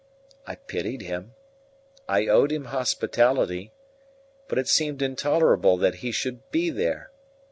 I pitied him; I owed him hospitality; but it seemed intolerable that he should be there.